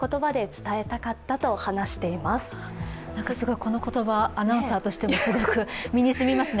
この言葉、アナウンサーとしてもすごく身にしみますね。